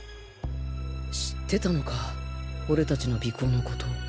知ってたのか俺たちの尾行のこと